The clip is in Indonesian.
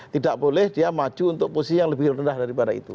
tidak boleh dia maju untuk posisi yang lebih rendah daripada itu